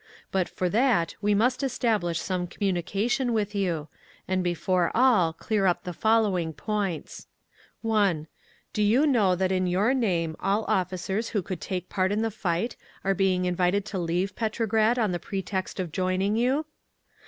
But for that we must establish some communication with you, and before all, clear up the following points: "(1) Do you know that in your name all officers who could take part in the fight are being invited to leave Petrograd on the pretext of joining you?